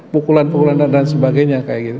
pukulan pukulan dan sebagainya kayak gitu